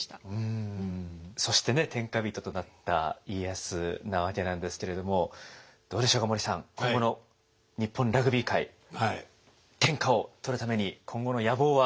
そしてね天下人となった家康なわけなんですけれどもどうでしょうか森さん今後の日本ラグビー界天下を取るために今後の野望は？